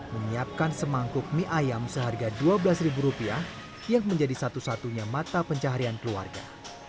menyiapkan semangkuk mie ayam seharga dua belas rupiah yang menjadi satu satunya mata pencaharian keluarga